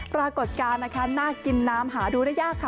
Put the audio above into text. ปรากฏการณ์นะคะน่ากินน้ำหาดูได้ยากค่ะ